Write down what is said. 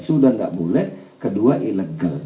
sudah tidak boleh kedua ilegal